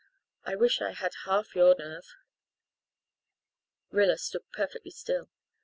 I wish I had half your nerve." Rilla stood perfectly still.